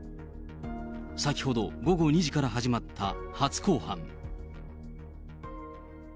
先ほど午後２時から始まった初公判。